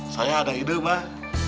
saya ada ide mbak